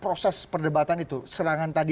proses perdebatan itu serangan tadi